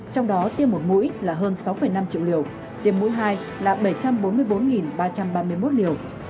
trong đó tiêm một mũi là hơn sáu năm triệu liều tiêm mũi hai là bảy trăm bốn mươi bốn ba trăm ba mươi một liều